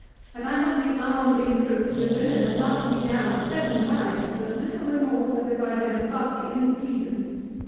Had I not been armed in proof, the villain had marked me down seven times with as little remorse as if I had been a buck in season.